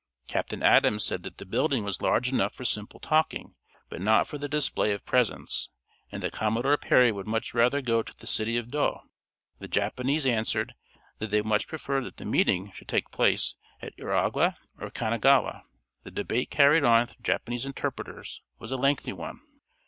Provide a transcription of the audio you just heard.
Captain Adams said that the building was large enough for simple talking, but not for the display of presents; and that Commodore Perry would much rather go to the city of Yedo. The Japanese answered that they much preferred that the meeting should take place at Uraga or Kanagawa. The debate, carried on through Chinese interpreters, was a lengthy one.